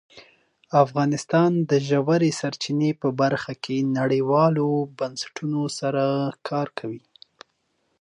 افغانستان د ژورې سرچینې په برخه کې نړیوالو بنسټونو سره کار کوي.